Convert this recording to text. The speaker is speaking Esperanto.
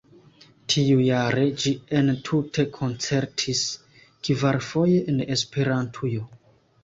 Tiujare, ĝi entute koncertis kvarfoje en Esperantujo.